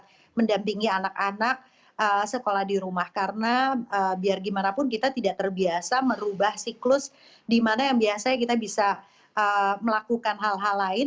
kita harus mendampingi anak anak sekolah di rumah karena biar gimana pun kita tidak terbiasa merubah siklus di mana yang biasanya kita bisa melakukan hal hal lain